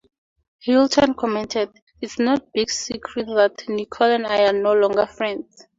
Hilton commented: It's no big secret that Nicole and I are no longer friends.